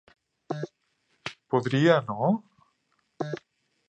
Podria, no?